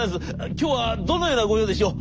今日はどのような御用でしょう。